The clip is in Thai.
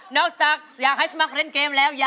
จากอยากให้สมัครเล่นเกมแล้ว